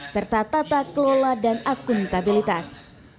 serta tata kelola dan akuntabilitas